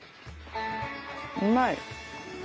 うまい。